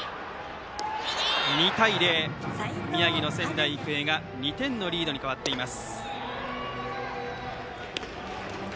２対０と宮城の仙台育英が２点のリードに変わっています。